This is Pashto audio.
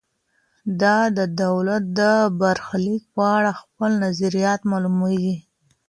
ده د دولت د برخلیک په اړه خپل نظریات معلوميږي.